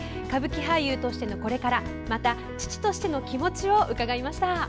歌舞伎俳優としてのこれからまた、父としての気持ちを伺いました。